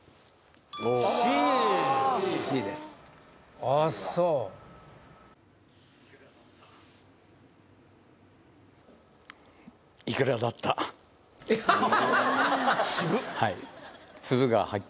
ＣＣですあっそうははははっ